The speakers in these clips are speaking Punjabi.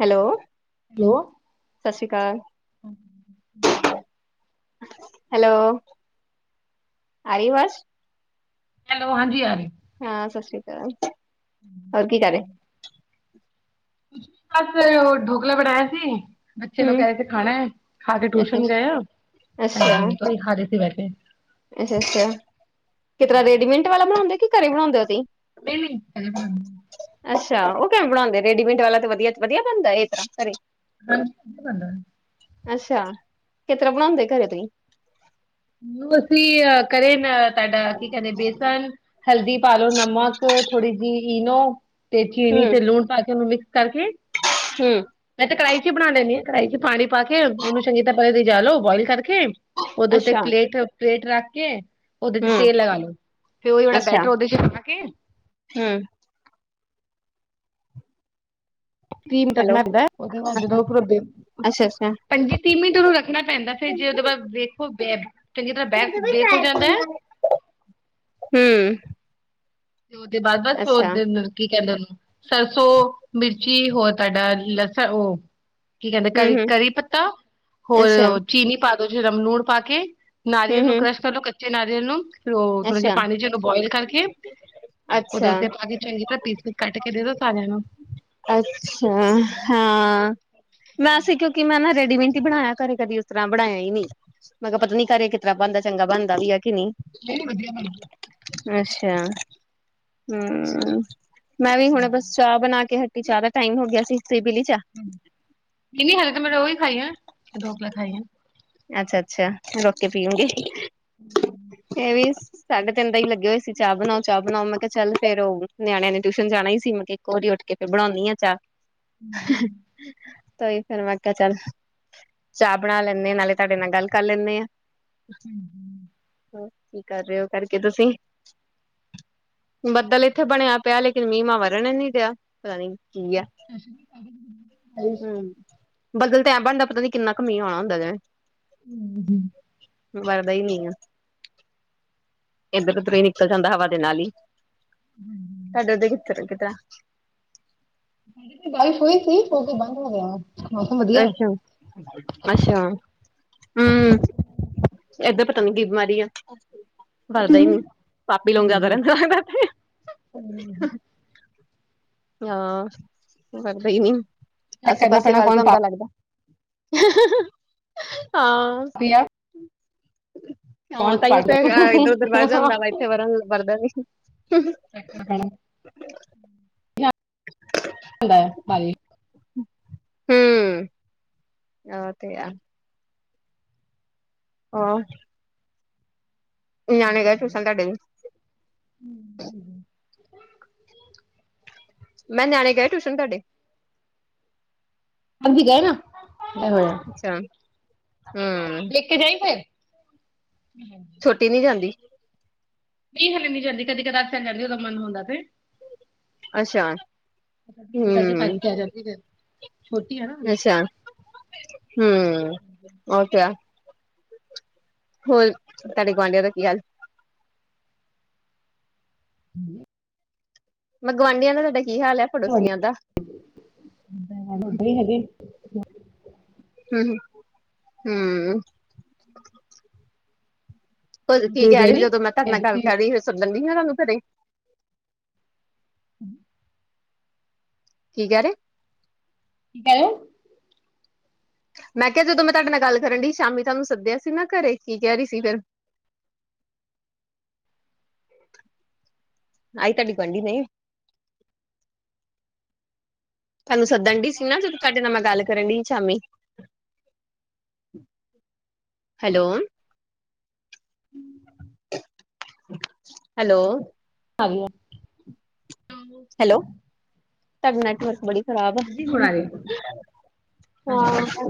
ਹੈਲੋ। ਹੈਲੋ। ਸਤਿ ਸ਼੍ਰੀ ਅਕਾਲ। ਹੈਲੋ, ਆਰੀ ਆਵਾਜ਼। ਹੈਲੋ, ਹਾਂਜੀ ਆਰੀ। ਹਾਂ, ਸਤਿ ਸੀ ਅਕਾਲ । [unintelligible] [unintelligible] ਕੁ ਬਸ ਉਹ ਡੋਕਲਾ ਬਣਾਇਆ ਸੀ। ਬੱਚੇ ਲੋਕ ਹੂੰ, ਕਹਿ ਰਹੇ ਖਾਣਾ ਹੈ, ਖਾ ਕੇ ਟਿਊਸ਼ਨ ਗਏ ਆ। ਹਾਂਜੀ ਤੁਹੀ ਹਾਰੇ ਤੇ ਬੈਠੇ। ਅੱਛਾ- ਅੱਛਾ ਕਿਤਰ੍ਹਾਂ ਰੇਡੀਮਿੰਟ ਵਾਲਾ ਬਣਾਂਦੇ ਹੋ ਕਿ ਘਰੇ ਬਣਾਂਦੇ ਹੋ ਤੁਸੀਂ। [inaudible] [inaudible] ਅੱਛਾ ਉਹ ਕਿਵੇਂ ਬਣਾਂਦੇ, ਰੇਡੀਮਿੰਟ ਵਾਲਾ ਤੇ ਵਧੀਆ- ਵਧੀਆ ਬਣਦਾ ਇਹ ਤਰ੍ਹਾਂ ਘਰੇ। ਵਧੀਆ ਬਣਦਾ। ਅੱਛਾ ਕਿਤਰ੍ਹਾਂ ਬਣਾਂਦੇ ਘਰੇ ਤੁਹੀ। ਅਸੀਂ ਘਰੇ ਨਾ। ਤੁਹਾਡਾ ਕੀ ਕਹਿੰਦੇ ਬੇਸਨ, ਹਲਦੀ ਪਾਲੋ, ਨਮਕ ਥੋੜ੍ਹੀ ਜਿਹੀ ਈਨੋ। ਤੇ ਚੀਨੀ ਹੂੰ, ਤੇ ਲੂਣ ਪਾ ਕੇ ਉਹਨੂੰ ਮਿਕਸ ਕਰਕੇ ਹੂੰ, ਮੈਂ ਤੇ ਕੜਾਹੀ ਚੀ ਬਣਾ ਲੈਂਦੀ ਹਾਂ। ਕੜਾਹੀ ਚ ਪਾਣੀ ਪਾ ਕੇ ਉਹਨੂੰ ਚੰਗੀ ਤਰ੍ਹਾਂ ਰਿਜਾ ਲੋ ਬੋਇਲ ਕਰਕੇ ਉਹਦੇ ਉੱਤੇ। ਅੱਛਾ, ਉੱਤੇ ਪਲੇਟ ਰੱਖ ਕੇ। ਉਹਦੇ ਚ ਹੂੰ, ਤੇਲ ਲਗਾ ਲੋ, ਤੇ ਉਹ ਜੇੜਾ ਅੱਛਾ, ਬੈਟਰ, ਉਹਦੇ ਚ ਪਾ ਕੇ ਹੂੰ, ਤੀਹ ਮਿੰਟ ਹੈਲੋ, ਰੱਖਣਾ ਹੁੰਦਾ ਏ, ਉਦੇ ਬਾਦ ਜਦੋਂ [unintelligible] ਅੱਛਾ-ਅੱਛਾ, ਪੰਜੀ ਤੀਹ ਮਿੰਟ ਇਨੂੰ ਰੱਖ ਰੱਖਣਾ ਪੈਂਦਾ, ਫੇ ਜੇ ਉਹਦੇ ਬਾਅਦ ਵੇਖੋ, ਬੈਬ ਚੰਗੀ ਤਰ੍ਹਾਂ ਬੈ ਬੇਕ ਹੋ ਜਾਂਦਾ ਐ। ਹੂੰ। ਤੇ ਉਹਦੇ ਬਾਅਦ ਬਸ ਅੱਛਾ, ਉਹਦੇ ਅੰਦਰ, ਕੀ ਕਹਿੰਦੇ ਉਹਨੂੰ? ਸਰਸੋਂ ਮਿਰ ਜੀ ਹੋਰ ਤੁਹਾਡਾ, ਲਸ ਉਹ ਕੀ ਕਹਿੰਦੇ? ਹੂੰ-ਹੂੰ, ਕਰੀ-ਕਰੀ ਪੱਤਾ, ਹੋਰ ਅੱਛਾ, ਚੀਨੀ ਪਾ ਦੋ ਜੇ ਰਮ ਲੂਣ ਪਾ ਕੇ ਨਾਰੀਅਲ ਨੂੰ ਹੂੰ-ਹੂੰ, ਕ੍ਰਸ਼ ਕਰ ਲੋ, ਕੱਚੇ ਨਾਰੀਅਲ ਨੂੰ, ਫਿਰ ਉਹ ਥੋੜੇ ਜਿਹੇ ਅੱਛਾ। ਪਾਣੀ ਚ ਉਹਨੂੰ ਬੋਇਲ ਕਰਕੇ ਉਹਦੇ ਅੱਛਾ, ਉੱਤੇ ਪਾ ਕੇ ਚੰਗੀ ਤਰ੍ਹਾਂ, ਪੀਸੀਸ ਕੱਟ ਕੇ ਦੇ ਦੋ ਸਾਰਿਆਂ ਨੂੰ। ਅੱਛਾ, ਹਾਂ, ਵੈਸੇ ਕਿਉਂਕਿ ਮੈਂ ਨਾ ਰੇਡੀਮਿੰਟ ਕੀ ਬਣਾਇਆ ਘਰੇ ਕਦੀ ਉਸ ਤਰ੍ਹਾਂ? ਬਣਾਇਆ ਈ ਨੀ। ਮੈਂ ਕਿਹਾ ਪਤਾ ਨੀ ਘਰੇ ਕਿਤਰ੍ਹਾਂ ਬਣਦਾ? ਚੰਗਾ ਬਣਦਾ ਵੀ ਐ। ਕਿ ਨੀ? ਨਹੀਂ ਨਹੀਂ ਵਧੀਆ ਬਣ ਅੱਛਾ, ਹੂੰ। ਮੈਂ ਵੀ ਹੁਣੇ ਬਸ ਚਾਹ ਬਣਾ ਕੇ ਹਟੀ, ਚਾਹ ਦਾ ਟਾਈਮ ਹੋ ਗਿਆ ਸੀ। ਤੁਸੀਂ ਪੀਲੀ ਚਾਹ। ਕਿੰਨੀ ਖਾਈ ਐ? ਹਜੇ ਤੇ ਮੈਂ ਦੋ ਈ ਖਾਈ ਐ। ਡੋਕਲਾ ਖਾਈ ਆ। ਅੱਛਾ-ਅੱਛਾ, ਲੋਕੀ ਪੀਂਣਗੇ, ਏਹ ਵੀਸ ਸਾਢੇ ਤਿੰਨ ਦੇ ਈ ਲੱਗੇ ਹੋਏ ਸੀ, ਚਾਹ ਬਣਾਓ, ਚਾਹ ਬਣਾਓ, ਮੈਂ ਕਿਹਾ ਚੱਲ ਫੇਰ ਉਹ ਨਿਆਣਿਆਂ ਨੇ ਟਿਊਸ਼ਨ ਜਾਣਾ ਹੀ ਸੀ, ਮੈਂ ਕਿਹਾ ਇੱਕ ਵਾਰੀ ਹੋ ਉੱਠ ਕੇ ਫਿਰ ਬਣਾਉਂਣੀ ਹਾਂ ਚਾਹ। ਤੇ ਉਹੀ ਫੇਰ ਮੈਂ ਕਿਹਾ ਚੱਲ, ਚਾਹ ਬਣਾ ਲੈਂਨੇ ਆ ਨਾਲੇ ਤੁਹਾਡੇ ਨਾਲ ਗੱਲ ਕਰ ਲੈਂਨੇ ਆਂ। ਹਾਂਜੀ। ਕੀ ਕਰ ਰਹੇ ਹੋ? ਕਰਕੇ ਤੁਸੀਂ। ਬੱਦਲ ਏਥੇ ਬਣਿਆ ਪਿਆ, ਲੇਕਿਨ ਮੀਂਹ ਮਾਂਹ ਵਰਨ ਈ ਨੀ ਦਿਆ, ਪਤਾ ਨੀ? ਕੀਆ ਹਰੀ ਹੂੰ। ਬੱਦਲ ਤੇ ਐ ਬਣਦਾ, ਪਤਾ ਨੀ ਕਿੰਨਾ ਕੁ ਮੀਂਹ ਆਉਣਾ ਹੁੰਦਾ ਜੇਵੇ। ਹੂੰ-ਹੂੰ। ਵਰਦਾ ਈ ਨੀ ਆ, ਇੱਧਰ ਉੱਧਰੇ ਈ ਨਿਕਲ ਜਾਂਦਾ, ਹਵਾ ਦੇ ਨਾਲ ਹੀ। ਕੱਡਦੇ, ਕਿਥੇ ਰੱਖਤਾ? ਬਾਰਿਸ਼ ਹੋਈ ਸੀ, ਹੋ ਕੇ ਬੰਦ ਹੋ ਗਿਆ। ਮੌਸਮ ਵਧੀਆ ਹੈ। ਅੱਛਾ, ਅੱਛਾ, ਹੂੰ। ਏਧਰ ਪਤਾ ਨੀ ਕੀ ਬਿਮਾਰੀ ਐ। ਵਰਦਾ ਈ ਨੀ, ਪਾਪੀ ਲੋਕ ਜ਼ਿਆਦਾ ਰਹਿੰਦਾ ਹੋਏਗਾ ਏਥੇ। ਹਾਂ, ਵਰ੍ਹਦਾ ਈ ਨੀ, ਚੈੱਕ ਆਸੇ ਕਰਨਾ ਪਾਸੇ ਪੈਣਾ ਵਰ੍ਹ ਕੌਣ ਜਾਂਦਾ ਲੱਗਦਾ? ਹਾਂ। ਪਾਪੀ ਆ [inaudible] ਹਾਂ, ਕੌਣ ਤਾਹੀਓ ਪਾਟੀ ਤੇ ਆ ਹੈਗਾ, ਇੱਧਰ ਉਧਰ ਵਸ ਜਾਂਦਾ ਵਾ, ਇੱਥੇ ਵਰਨ, ਵਰਦਾ ਨੀ। ਚੈੱਕ ਕਰਨਾ ਪੈਣਾ [inaudible] ਜਾਂਦਾ ਹੈ ਬਾਰਿਸ਼ ਹੂੰ, ਆਹ ਤੇ ਆ। ਹੋਰ? ਨਿਆਣੇ ਗਏ ਟਿਊਸ਼ਨ ਤੁਹਾਡੇ [unintelligible] ਮੈਂ ਨਿਆਣੇ ਗਏ ਟਿਊਸ਼ਨ ਤੁਹਾਡੇ? ਹੰਜੀ ਗਏ ਨਾ, ਅੱਛਾ ਹੂੰ ਲੇ ਕੇ ਜਾਈ ਫਿਰ। [inaudible] ਛੋਟੀ ਨਈ ਜਾਂਦੀ। ਨਈ ਹਲੇ ਨੀ ਜਾਂਦੀ, ਕਦੇ ਕਦਾਰ ਚਲ ਜਾਂਦੀ, ਉਹਦਾ ਮਨ ਹੁੰਦਾ ਤੇ। ਅੱਛਾ ਕਰਕੇ, ਹੂੰ ਥਕ ਕੇ ਆ ਜਾਤੀ ਫੇਰ। ਅੱਛਾ, ਹੂੰ, ਔਰ ਕਿਆ? ਹੋਰ, ਤੁਹਾਡੇ ਗੁਆਂਢੀਆਂ ਦਾ ਕੀ ਹਾਲ? [inaudible] ਮੈਂ ਗੁਆਂਢੀਆਂ ਦਾ ਤੁਹਾਡਾ ਕੀ ਹਾਲ ਹੈ [unintelligible] ਪੜੋਸੀਆਂ ਦਾ ਓਦਾ ਹੀ ਹੈਗੇ। ਹੂੰ ਹੂੰ, ਕੀ ਤੁਸੀਂ ਕਹਿ ਗਏ ਰਹੀ ਨਹੀਂ ਜਦੋਂ ਮੈਂ ਤੁਹਾਡੇ ਕਹਿ ਨਾਲ ਗੱਲ ਦਿੱਤੇ ਕਰ ਕੀ ਰਹੀ, ਸੱਦਣ ਵੀ ਨੀ ਆਣਾ ਉਹਨੂੰ ਘਰੇ। [inaudible] ਕੀ ਕਹਿ ਰੇ? ਕੀ ਕਹਿ ਰੇ? ਮੈਂ ਕਿਹਾ ਜਦੋਂ ਮੈਂ ਤੁਹਾਡੇ ਨਾਲ ਗੱਲ ਕਰਨ ਡਈ, ਸ਼ਾਮੀ ਤੁਹਾਨੂੰ ਸੱਦਿਆ ਸੀ ਨਾ ਘਰੇ, ਕੀ ਕਹਿ ਰਹੀ ਸੀ ਫਿਰ। [inaudible] ਆਈ ਤੁਹਾਡੀ ਬਣਦੀ ਨਹੀਂ। ਤੁਹਾਨੂੰ ਸੱਦਣ ਡਈ ਸੀ ਨਾ, ਜਦੋਂ ਤੁਹਾਡੇ ਨਾਲ ਮੈਂ ਗੱਲ ਕਰਨ ਡਈ ਸ ਸ਼ਾਮੀ। ਹੈਲੋ, ਹੈਲੋ, ਹੈਲੋ ਹਾਂਜੀ, ਤੁਹਾਡਾ ਨੈਟਵਰਕ ਬੜੀ ਖਰਾਬ ਐ, ਹੁਣ ਆ ਰਹੇ ਹਾਂਜੀ ਹਾਂ ਕੀ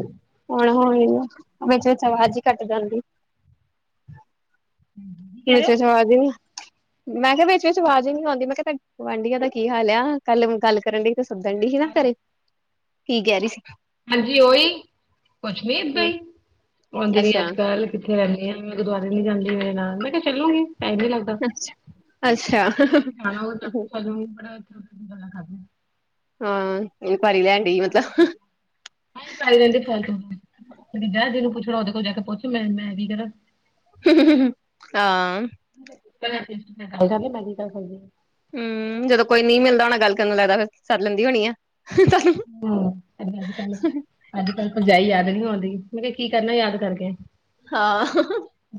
ਹੁਣ -ਹੁਣ ਵਿਚ-ਵਿਚ ਆਵਾਜ਼ ਹੀ ਕੱਟ ਜਾਂਦੀ ਕਹਿ ਰਹੇ ਵਿਚੋਂ ਸਵਾਦ ਦੀ ਨਾ। ਮੈਂ ਕਿਹਾ ਵਿਚ -ਵਿਚ ਆਵਾਜ਼ ਹੀ ਨੀ ਆਉਂਦੀ, ਮੈਂ ਕਿਹਾ ਗੁਆਂਢੀਆਂ ਦਾ ਕੀ ਹਾਲ ਐ, ਕੱਲ ਮੈਂ ਗੱਲ ਕਰਨ ਡਈ। ਸੱਦਣ ਡਈ ਸੀ ਨਾ ਹੋ ਘਰੇ, ਕੀ ਕਹਿ ਰਹੀ ਸੀ। ਹਾਂਜੀ, ਉਹੀ ਕੁਛ ਮੀਤ ਹੂੰ ਬਈ ਆਉਂਦੀ ਨੀ ਅੱਛਾ ਅੱਜ -ਕੱਲ ਕਿੱਥੇ ਰਹਿੰਦੀ ਐਂ, ਮੈਂ ਗੁਰਦੁਆਰੇ ਨੀ ਜਾਂਦੀ ਮੇਰੇ ਨਾਲ, ਮੈਂ ਕਿਹਾ ਚੱਲੂਗੀ। ਟਾਈਮ ਨੀ ਲੱਗਦਾ, ਅੱਛਾ [inaudible] ਅੱਛਾ, ਜਾਣਾ ਸਾਨੂੰ ਬੜਾ [unintelligible] ਹਾਂ, ਇਨਕੁਆਇਰੀ ਲੈਣ ਡਈ [inaudible] ਮਤਲਬ ੜਾ ਉਹਦੇ ਕੋਲ ਜਾ ਕੇ ਪੁੱਛ, ਮੈਂ- ਮੈਂ ਵੀ ਕਰਾਂ ਹਾਂ, ਕੋਈ ਗੱਲ ਨੀ, ਮੈਂ ਨੀ ਕਰ ਸਕਦੀ। ਹੂੰ, ਜਦੋਂ ਕੋਈ ਨੀ ਮਿਲਦਾ ਹੋਣਾ ਗੱਲ ਕਰਨ ਨੂੰ ਲੱਗਦਾ, ਫਿਰ ਸੱਦ ਲੈਂਦੀ ਹੋਣੀ ਐ। ਹੂੰ, ਅੱਜ- ਕੱਲ- ਅੱਜ- ਕੱਲ ਭਰਜਾਈ ਯਾਦ ਨੀ ਹੋ ਮੈਂ ਕਿਹਾ ਕੀ ਕਰਨਾ ਯਾਦ ਕਰਕੇ। ਹਾਂ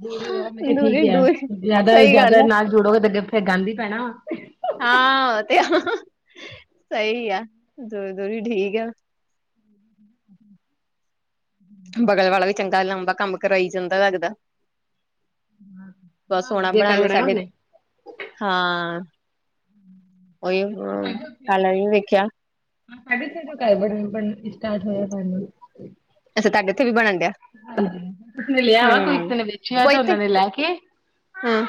ਦੂਰੀ ਰਹੋ ਮੈਂ ਕਿਹਾ ਦੂਰੀ ਠੀਕ ਆ, ਦੂਰ ਜਿਆਦਾ- ਸਹੀ ਜਿਆਦਾ ਗੱਲ ਆ ਨਾਲ ਜੋੜੋਗੇ ਗੇ ਤਾਂ ਗਿਫਟ ਫਿਰ ਗੰਦ ਈ ਪੈਣਾ ਵਾ। ਹਾਂ ਉਹ ਤੇ ਸਹੀ ਆ, ਦੂਰੀ- ਦੂਰੀ ਠੀਕ ਐ। ਬਗਲ ਵਾਲਾ ਵੀ ਚੰਗਾ, ਲੰਬਾ ਕੰਮ ਕਰਾਈ ਜਾਂਦਾ ਲੱਗਦਾ। ਬਸ ਹਾਂ ਸੋਹਣਾ ਵਧੀਆ ਬਣਾ ਘਰ ਲਿਆ ਬਣਾਇਆ ਸਾਡੇ, ਉਹਨੇ ਹਾਂ ਹਾਂ। ਉਹੀ ਕੱਲ ਉੱਥੇ ਵੀ ਵੇਖਿਆ ਸਾਢੇ ਛੇ ਸਟਾਰਟ ਹੋਇਆ ਪਇਆ। ਅੱਛਾ, ਤੁਹਾਡੇ ਇੱਥੇ ਵੀ ਬਣਨ ਡਿਆ। ਮਿਲਿਆ ਵਾ ਕੋਈ, ਹੂੰ ਕਿਸੇ ਨੇ ਵੇਚਿਆ ਤੇ ਉਹਨਾਂ ਨੇ ਲੈ ਕੇ। ਹਾਂ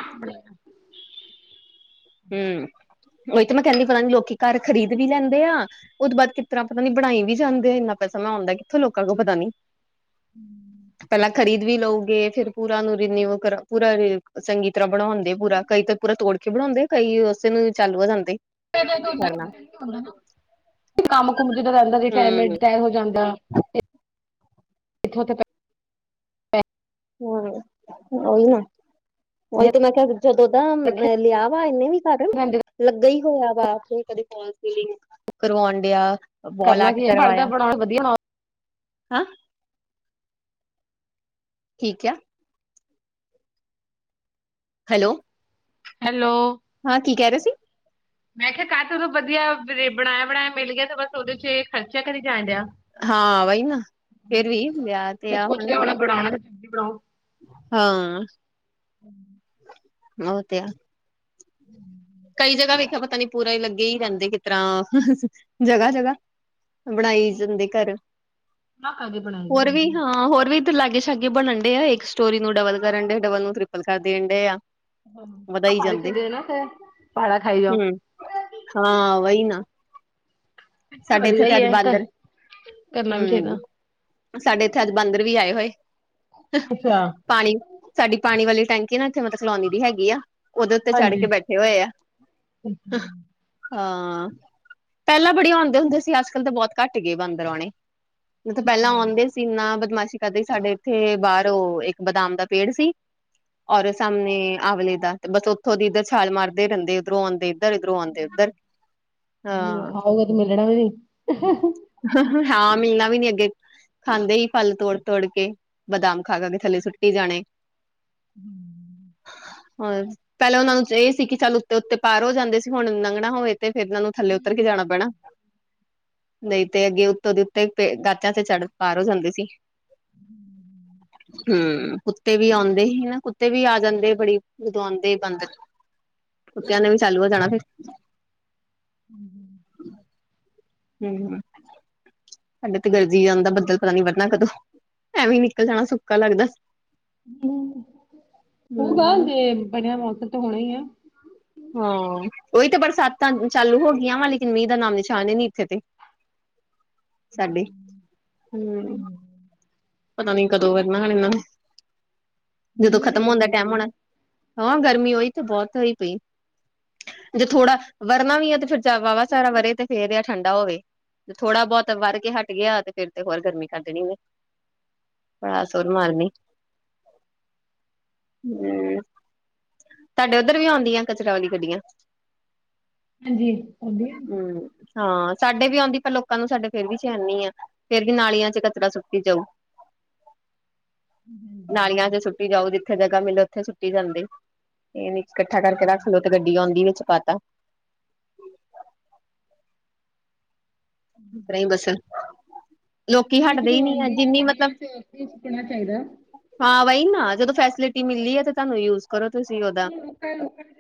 ਹੂੰ। ਉਹੀ ਤੇ ਮੈਂ ਕਹਿੰਦੀ ਪਤਾ ਨੀ ਲੋਕੀ ਘਰ ਖਰੀਦ ਵੀ ਲੈਂਦੇ ਆ, ਉਹ ਤੋਂ ਬਾਅਦ ਕਿਸ ਤਰ੍ਹਾਂ ਪਤਾ ਨੀ ਬਣਾਈ ਵੀ ਜਾਂਦੇ ਆ ਇੰਨਾ। ਇੰਨਾ ਸਮਾਂ ਆਉਂਦਾ, ਕਿੱਥੋਂ ਲੋਕਾਂ ਕੋਲ ਪਤਾ ਨੀ। ਹੂੰ। ਖ਼ਰੀਦ ਵੀ ਲਓਗੇ ਫੇਰ ਪੂਰਾ ਉਹ ਨੂੰ ਰਿਨਿਊ ਪੂਰਾ ਚੰਗੀ ਤਰਾਂ ਬਣਾਂਉਂਦੇ, ਪੂਰਾ ਕਈ ਤਾਂ ਪੂਰਾ ਤੋੜ ਕਈ ਬਣਾਉਂਦੇ, ਕਈ ਉਸੇ ਨੂੰ ਚਾਲੂ ਹੋ ਜਾਂਦੇ। ਕਰਨਾ ਕੰਮ ਕੁਮ ਜਦੋਂ ਰਹਿੰਦਾ, ਜੇ ਰਿਟਰਮੈਂਟ ਜਦੋਂ ਹੂੰ ਰਿਟੈਰ ਹੋ ਜਾਂਦਾ। ਜਾਂਦਾ ਇੱਥੋਂ ਤਾਂ। [inaudible] ਹੂੰ ਉਹੀ ਨਾ ਉਹੀ ਤੇ ਮੈਂ ਕਿਹਾ, ਜਦੋਂ ਦਾ ਰੱਖੇ ਲਿਆ ਵਾ ਇਹਨੇ ਵੀ ਘਰ ਰਹਿੰਦੇ ਲੱਗਾ ਈ ਹੋਇਆ ਵਾ, ਫੇਰ ਕਦੇ ਵੌਲ ਫਲਿੰਗ ਕਰਵਾਉਣ ਡਿਆ । ਬੋਲ ਕਰਨਾ ਆਟ ਕੀ ਹੈ ਕਰਵਾਇਆ, ਬਣਦਾ ਬਣਾਉਣਾ ਵਧੀਆ ਬਣਾਓ ਹਾਂ। ਠੀਕ ਐ। ਹੈਲੋ ਹੈਲੋ ਹਾਂ ਕੀ ਕਹਿ ਰਹੇ ਸੀ। ਮੈਂ ਕਿਹਾ ਕਾਸ਼ ਉਦੋਂ ਵਧੀਆ ਬਣਾਇਆ- ਬਣਾਇਆ। ਮਿਲ ਗਿਆ ਤੇ ਬਸ ਉਹਦੇ 'ਚ ਇਹ ਖਰਚਾ ਕਰੀ ਜਾਣ ਡਿਆ। ਹਾਂ ਵਹੀ ਨਾ ਫੇਰ ਵੀ ਵਿਆਹ ਤੇ ਉਹਨੇ ਆ ਸੋਚ ਹੁਣ ਲਿਆ ਹੋਣਾ ਬਣਾਉਣਾ ਤਾਂ ਤੁਸੀਂ ਬਣਾਓ। ਹਾਂ ਉਹ ਤੇ ਹੈ। [inaudible] ਕਈ ਜਗ੍ਹਾ ਵੇਖਿਆ ਪਤਾ ਨੀ ਪੂਰਾ ਹੀ ਲੱਗੇ ਹੀ ਰਹਿੰਦੇ ਕਿਸ ਤਰ੍ਹਾਂ ਜਗ੍ਹਾ- ਜਗ੍ਹਾ। ਬਣਾਈ ਜਾਂਦੇ ਘਰ ਨਾ ਕਾਹਦੇ ਬਣਾਈ ਹੋਰ ਵੀ ਜਾਂਦੀ ਹਾਂ ਹੋਰ ਵੀ ਤੇ ਲਾਗੇ ਸ਼ਾਗੇ ਬਣਨ ਡੇ ਆਏ ਇੱਕ ਸਟੋਰੀ ਨੂੰ ਡਬਲ ਕਰਨ ਡੇ ਡਬਲ ਨੂੰ ਟ੍ਰਿਪਲ ਕਰ ਦੇਣ ਡੇ ਆ। ਹਾਂ ਆਪਾਂ ਆਏ ਚੱਲੀਆਂ ਨਾ ਫੇਰ ਹੂੰ ਹਾਂ ਵਹੀ ਨਾ। ਚਲੋ ਸਾਡੇ ਇੱਥੇ ਵਧੀਆ ਤੇ ਹੀ ਅੱਜ ਹੈ ਬਾਂਦਰ ਕਰ- ਕਰਨਾ ਵੀ ਚਾਹੀਦਾ ਹੂੰ ਸਾਡੇ ਇੱਥੇ ਅੱਜ ਬਾਂਦਰ ਵੀ ਆਏ ਹੋਏ। ਅੱਛਾ ਪਾਣੀ ਸਾਡੀ ਪਾਣੀ ਵਾਲੀ ਟੈਂਕੀ ਇੱਥੇ ਨਾ ਮਤਲਬ ਕੀ ਕਲੋਨੀ ਵੀ ਹੈਗੀ ਆ ਉਹਦੇ ਉੱਤੇ ਚੜ੍ਹ ਕੇ ਬੈੇਠੇ ਹੋਏ ਆ। ਹੂੰ ਹਾਂ ਪਹਿਲਾਂ ਬੜੇ ਆਉਂਦੇ ਹੁੰਦੇ ਸੀ ਅੱਜ ਕੱਲ੍ਹ ਤਾਂ ਬਹੁਤ ਘੱਟ ਗਏ ਬਾਂਦਰ ਆਉਣੇ। ਜਿੱਥੇ ਪਹਿਲਾਂ ਆਉਂਦੇ ਸੀ ਨਾ ਬਦਮਾਸ਼ੀ ਕਦੇ ਸਾਡੇ ਇੱਥੇ ਬਾਹਰੋਂ ਉਹ ਇੱਕ ਬਦਾਮ ਦਾ ਪੇੜ ਸੀ। ਔਰ ਸਾਹਮਣੇ ਆਵਲੇ ਦਾ ਤੇ ਬਸ ਉੱਥੋਂ ਦੀ ਇਧਰ ਛਾਲ ਮਾਰਦੇ ਰਹਿੰਦੇ ਉੱਧਰੋਂ ਆਂਦੇ। ਇੱਧਰ ਇੱਧਰੋਂ ਆਉਂਦੇ ਉੱਧਰ ਹਾਂ। ਆਓਗੇ ਤੇ ਮਿਲਣਾ ਵੀ ਹਾਂ ਮੀਣਾ ਵੀ ਨਹੀਂ। ਅੱਗੇ ਖਾਂਦੇ ਹੀ ਫਲ ਤੋੜ -ਤੋੜ ਕੇ ਬਦਾਮ ਖਾ ਖਾ ਕੇ ਥੱਲੇ ਸੁੱਟੀ ਜਾਣੇ। ਹੋਰ ਪਹਿਲਾਂ ਉਹਨਾਂ ਨੂੰ ਇਹ ਸੀ ਕਿ ਚੱਲ ਉੱਤੇ- ਉੱਤੇ ਪਾਰ ਹੋ ਜਾਂਦੇ ਸੀ ਹੁਣ ਲੰਘਣਾ ਹੋਵੇ। ਤੇ ਫਿਰ ਇਹਨਾਂ ਨੂੰ ਥੱਲੇ ਉੱਤਰ ਕੇ ਜਾਣਾ ਪੈਣਾ। ਨਹੀਂ ਤੇ ਅੱਗੇ ਉੱਤੋਂ ਦੇ ਉੱਤੇ ਗਾਚਾਂ ਤੇ ਚੜ੍ਹ ਪਾਰ ਹੋ ਜਾਂਦੀ ਸੀ। ਹੂੰ। ਹੂੰ ਕੁੱਤੇ ਵੀ ਆਉਂਦੇ ਸੀ ਨਾ ਕੁੱਤੇ ਵੀ ਆ ਜਾਂਦੇ ਬੜੀ ਜਦੋਂ ਆਉਂਦੇ ਸੀ ਬਾਂਦਰ ਕੁੱਤਿਆਂ ਨੇ ਵੀ ਚਾਲੂ ਹੋ ਜਾਣਾ ਫਿਰ ਹੂੰ [inaudible] ਹੂੰ-ਹੂੰ ਸਾਡੇ ਤੇ ਗਰਜੀ ਜਾਂਦਾ ਬੱਦਲ ਪਤਾ ਨੀ ਵਰਨਾ ਕਦੋਂ ਐਵੇਂ ਨਿਕਲ ਜਾਣਾ ਸੁੱਕਾ ਲੱਗਦਾ। ਹੂੰ ਹੋ ਗੱਲ ਹੂੰ ਜੇ ਬਣਿਆ ਮੌਸਮ ਤਾਂ ਹੋਣਾ ਹੀ ਆ। ਹਾਂ ਉਹੀ ਤਾਂ ਬਰਸਾਤਾਂ ਚਾਲੂ ਹੋ ਗਈਆਂ ਵਾ ਲੇਕਿਨ ਮੀਂਹ ਦਾ ਨਾਮ ਨਿਸ਼ਾਨ ਨੀ ਇੱਥੇ ਤੇ ਸਾਡੇ ਹੂੰ ਪਤਾ ਨੀ ਕਦੋਂ ਵਰਨਾ ਐ ਇਹਨਾਂ ਨੇ ਜਦੋਂ ਗਰਮੀ ਤਾਂ ਖਤਮ ਬਹੁਤ ਹੋਣ ਦਾ ਹੋਈ ਟੈਮ ਪਈ ਹੈ ਹੋਣਾ। ਹਾਂ ਗਰਮੀ ਹੋਈ ਤੇ ਬਹੁਤ ਹੋਈ ਪਈ। ਜੇ ਥੋੜ੍ਹਾ ਵਰਨਾ ਵੀ ਹੈ ਤੇ ਫਿਰ ਵਾਰਨਾ ਚਾਰਾ ਵਰੇ ਤੇ ਫੇਰ ਜਾਂ ਠੰਡਾ ਹੋਵੇ। ਥੋੜਾ ਬਹੁਤ ਵਰ ਕੇ ਹਟ ਗਿਆ ਤੇ ਫੇਰ ਤੇ ਹੋਰ ਗਰਮੀ ਕਰ ਜਣੀ ਇਨੇ [unintelligible] ਪੜਾਸ ਹੋਰ ਮਾਰਨੀ। ਹੂੰ ਤੁਹਾਡੇ ਉੱਧਰ ਵੀ ਆਉਂਦੀਆਂ। ਕਚਰਾ ਵਾਲੀ ਗੱਡੀਆਂ ਹਾਂਜੀ ਆਉਂਦੀਆ। ਹੂੰ। ਹਾਂ ਸਾਡੇ ਵੀ ਆਦੀ ਪਰ ਲੋਕਾਂ ਨੂੰ ਸਾਡੇ ਫੇਰ ਵੀ ਚੈਨ ਨੀ ਆ ਫੇਰ ਵੀ ਨਾਲੀਆਂ 'ਚ ਕਚਰਾ ਸੁੱਟੀ ਜਾਊ। ਨਾਲੀਆਂ 'ਚ ਸੁੱਟੀ ਜਾਓ ਜਿੱਥੇ ਜਗ੍ਹਾ ਮਿਲੇ। ਉੱਥੇ ਛੱਟੀ ਜਾਂਦੇ ਇਹਨ ਇਕੱਠਾ ਕਰਕੇ ਰੱਖ ਚਲੋ ਤੇ ਗੱਡੀ ਆਉਂਦੀ ਵਿੱਚ ਪਾਤਾ। ਰਹੀਂ, ਬਸ ਲੋਕੀ ਨਹੀਂ, ਹਟਦੇ ਜਦੋਂ ਹੀ ਨੀ ਆ ਆਉਂਦੀ ਨੇ ਜਿੰਨੀ ਮਤਲਬ ਗੱਡੀਆਂ ਤੇ ਉਥੇ ਰੂਕਣਾ ਚਾਹੀਦਾ। ਹਾਂ ਵਹੀ ਨਾ, ਜਦੋਂ ਫੈਸਿਲਿਟੀ ਮਿਲਦੀ ਹੈ ਤੇ ਤੁਹਾਨੂੰ ਯੂਜ ਕਰੋ। ਤੁਸੀਂ ਉਹਦਾ ਲੋਕਾਂ-ਲੋਕਾਂ ਕਿ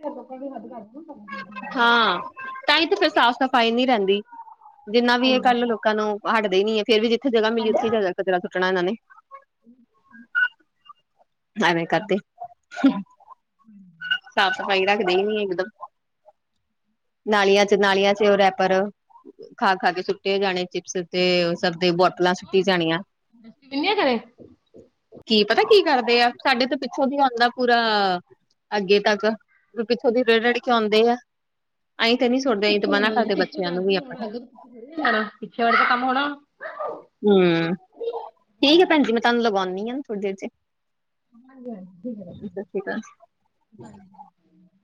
[unintelligible] ਪਾਈ ਨੀ ਰਹਿੰਦੀ। ਜਿ ਇਨਾ ਵੀ ਇਹ ਕੱਲ ਲੋਕਾਂ ਨੂੰ, ਹਟਦੇ ਹੀ ਨੀ ਹੈ। ਫੇਰ ਵੀ ਜਿੱਥੇ ਜਗ੍ਹਾ ਮਿਲੀ ਉੱਥੇ ਹੀ ਜ ਕਰਾ ਸੁੱਟਣਾ ਇਹਨਾਂ ਨੇ। [unintelligible] ਏਂਵੇ ਕਰਤੇ ਹੁਂ ਸਫ਼ਾਈ ਰੱਖਦੇ ਹੀ ਨੀ ਇਕਦਮ। ਨਾਲੀਆਂ ਚ, ਨਾਲੀਆਂ ਚ ਉਹ ਰੈਪਰ ਖਾ-ਖਾ ਕੇ ਸੁੱਟੇ ਜਾਣੇ ਚਿਪਸ ਤੇ ਸਬ ਤੇ ਬੋਤਲਾਂ ਸੁੱਟੀ ਜਾਣੀਆਂ। ਕਿੰਨੇ ਕਰੇ ਕੀ ਪਤਾ ਕੀ ਕਰਦੇ ਆ? ਸਾਡੇ ਤੋਂ ਪਿੱਛੋਂ ਵੀ ਆਉਂਦਾ ਪੂਰਾ ਅੱਗੇ ਤੱਕ। ਫੇਰ ਪਿੱਛੋਂ ਦੀ ਰ ਰੜ ਕੇ ਆਉਦੇ ਆ। ਅਈਂ ਤਾਂ ਨੀ ਸੇਟਦੇ, ਅਈਂ ਤਾਂ ਪਿੱਛੋਂ ਮਨਾ ਹਾਂਜੀ ਕਰਦੇ ਪਿੱਛੋਂ ਬੱਚਿਆਂ ਤਾਂ ਨੂੰ ਵੀ ਅੱਗੇ ਹੋਣਾ ਆਪਣੇ। ਅੱਗੇ ਤੋਂ ਪਿੱਛੇ ਥੋੜ੍ਹੀ ਜਾਣਾ। ਪਿੱਛੇ ਵਾਲੇ ਦਾ ਕੰਮ ਹੋਣਾ ਹੂੰ, ਠੀਕ ਹੈ ਭੈਣ ਜੀ, ਮੈਂ ਤੁਹਾਨੂੰ ਗਉਂਦੀ ਆ ਥੋੜੀ ਦੇਰ ਚ ਸਤਿ ਸ਼੍ਰੀ ਅਕਾਲ।